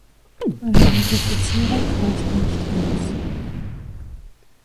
Eine Notifizierung reicht nicht aus.